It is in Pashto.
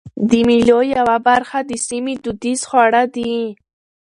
د مېلو یوه برخه د سیمي دودیز خواړه دي.